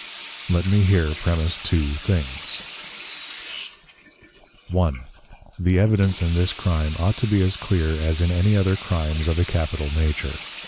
_ Let me here premise Two things, 1. The Evidence in this Crime ought to be as clear as in any other Crimes of a Capital nature.